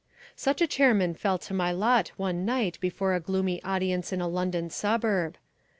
Such a chairman fell to my lot one night before a gloomy audience in a London suburb.